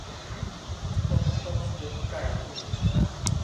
ต้มส้มกึ๋นไก่ สูตรเหนือ